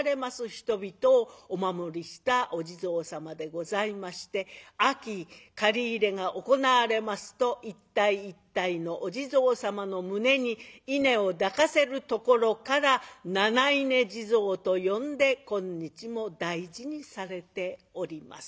人々をお守りしたお地蔵様でございまして秋刈り入れが行われますと一体一体のお地蔵様の胸に稲を抱かせるところから七稲地蔵と呼んで今日も大事にされております。